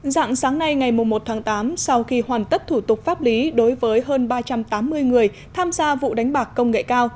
dạng sáng nay ngày một tháng tám sau khi hoàn tất thủ tục pháp lý đối với hơn ba trăm tám mươi người tham gia vụ đánh bạc công nghệ cao